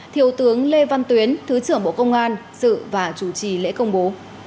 thiếu tướng lê văn tuyến thứ trưởng bộ công an dự và chủ trì lễ công bố